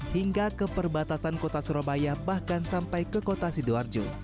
hingga ke perbatasan kota surabaya bahkan sampai ke kota sidoarjo